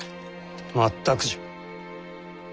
全くじゃ。